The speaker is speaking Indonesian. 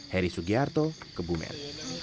heri sugiarto kebumen